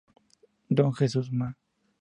Don Jesús Ma.